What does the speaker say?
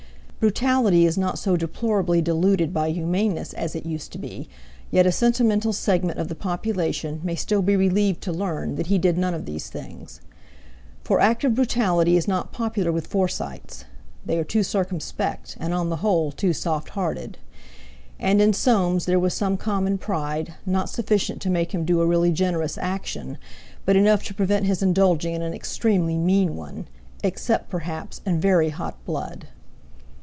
Brutality is not so deplorably diluted by humaneness as it used to be, yet a sentimental segment of the population may still be relieved to learn that he did none of these things. For active brutality is not popular with Forsytes; they are too circumspect, and, on the whole, too softhearted. And in Soames there was some common pride, not sufficient to make him do a really generous action, but enough to prevent his indulging in an extremely mean one, except, perhaps, in very hot blood.